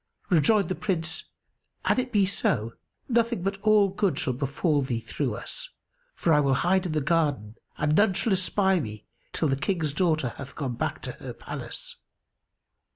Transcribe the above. Rejoined the Prince, "An it be so, nothing but all good shall befal thee through us; for I will hide in the garden and none shall espy me, till the King's daughter hath gone back to her palace."